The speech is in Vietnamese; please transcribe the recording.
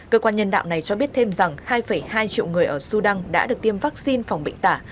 cơ quan nhân đạo này cho biết thêm rằng hai hai triệu người ở sudan đã được tiêm vaccine phòng bệnh tả